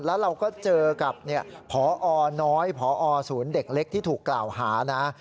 แล้วเราก็เจอกับพอน้อยพอศูนย์เด็กเล็กที่ถูกกล่าวหานะ